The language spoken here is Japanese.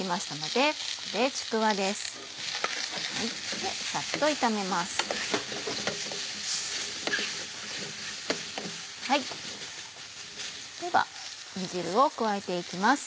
では煮汁を加えて行きます。